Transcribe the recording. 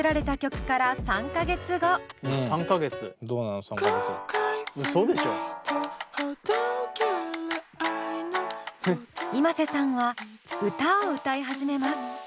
このｉｍａｓｅさんは歌を歌い始めます。